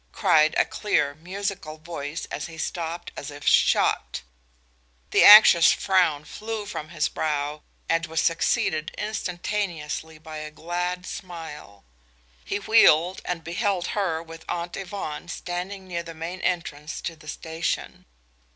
cried a clear, musical voice, and he stopped as if shot. The anxious frown flew from his brow and was succeeded instantaneously by a glad smile. He wheeled and beheld her, with Aunt Yvonne, standing near the main entrance to the station.